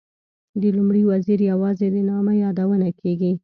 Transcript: د لومړي وزیر یوازې د نامه یادونه کېږي.